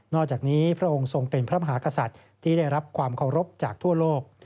อกจากนี้พระองค์ทรงเป็นพระมหากษัตริย์ที่ได้รับความเคารพจากทั่วโลก